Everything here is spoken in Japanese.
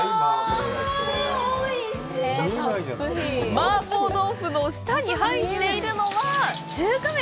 麻婆豆腐の下に入っているのは中華麺！